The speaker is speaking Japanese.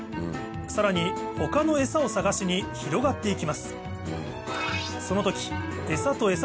さらに他のエサを探しに広がって行きます